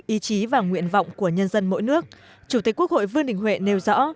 ý chí và nguyện vọng của nhân dân mỗi nước chủ tịch quốc hội vương đình huệ nêu rõ